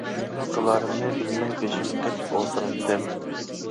نېمە قىلارىمنى بىلمەي بېشىم قېتىپ ئولتۇراتتىم.